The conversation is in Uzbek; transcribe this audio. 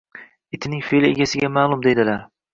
Itining fe’li egasiga ma’lum, deydilar.